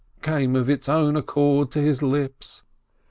came of its own accord to his lips.